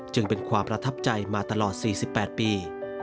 จึงเป็นความประทับใจมาตลอด๔๘ปี